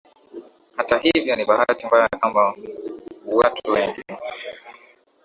Hata hivyo ni bahati mbaya kamba watu wengi